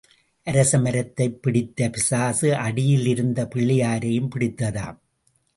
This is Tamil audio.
அரச மரத்தைப் பிடித்த பிசாசு அடியில் இருந்த பிள்ளையாரையும் பிடித்ததாம்.